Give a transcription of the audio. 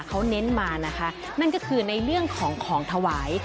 เขาเน้นมานะคะนั่นก็คือในเรื่องของของถวาย